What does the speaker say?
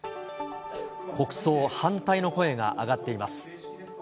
国葬反対の声が上がっています。